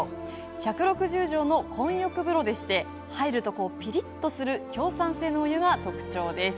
１６０畳の混浴風呂で入るとピリっとする強酸性のお湯が特徴です。